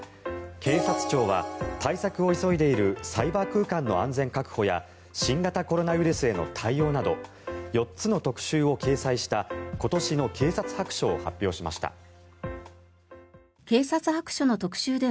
警察庁は対策を急いでいるサイバー空間の安全確保や新型コロナウイルスへの対応など４つの特集を掲載した今年の警察白書を発表しました。